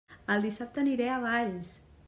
El dissabte aniré a Valls!